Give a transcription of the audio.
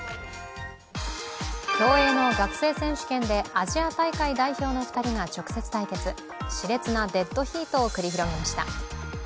競泳の学生選手権でアジア大会代表の２人が直接対決、しれつなデッドヒートを繰り広げました。